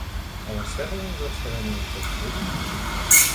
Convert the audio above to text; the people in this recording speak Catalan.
A la Serra d'en Galceran hi ha un castell?